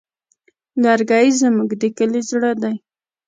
لرګی زموږ د کلي زړه دی.